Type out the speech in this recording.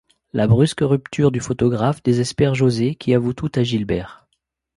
La brusque rupture du photographe désespère José qui avoue tout à Gilbert.